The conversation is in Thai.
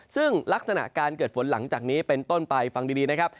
ซึ่งลักษณะการเกิดฝนหลังจากนี้เป็นต้นไปฟังดีนะครับ